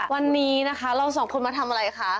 วันนี้นะคะเราสองคนมาทำอะไรคะ